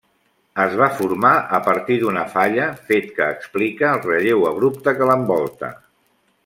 Es va formar a partir d'una falla, fet que explica el relleu abrupte que l'envolta.